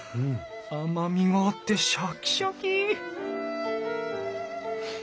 甘みがあってシャキシャキ！